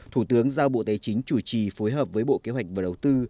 thủ tướng giao bộ tài chính chủ trì phối hợp với bộ kế hoạch và đầu tư